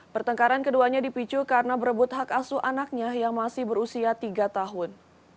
pertengkaran keduanya dipicu karena berebut hak asu anaknya yang masih berusia tiga tahun